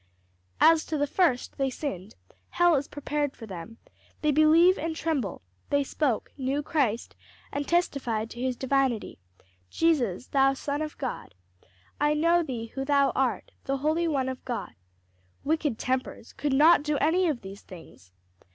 "As to the first they sinned: hell is prepared for them: they believe and tremble: they spoke: knew Christ and testified to his divinity, 'Jesus, thou son of God.' 'I know thee who thou art, the Holy One of God.' Wicked tempers could not do any of these things.